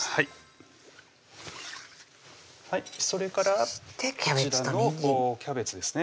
それからこちらのキャベツですね